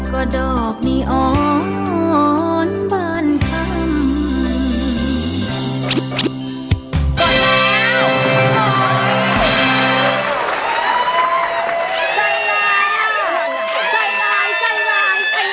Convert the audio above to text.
ใจร้ายใจร้ายใจร้าย